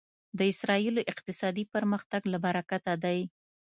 د اسرایلو اقتصادي پرمختګ له برکته دی.